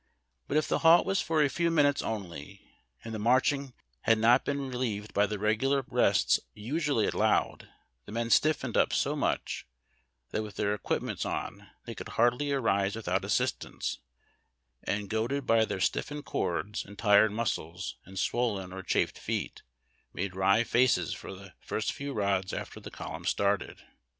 BREAKING CAMP. — ON THE MARCH. 349 But if the halt was for a few minutes onl}^ and the march ing had not been relieved by the regular rests usually al lowed, the men stiffened up so much that, with their equip ments on, they could hardly arise without assistance, and, goaded by their stiffened cords and tired muscles and swollen or chafed feet, made wry faces for the first few rods after the column started.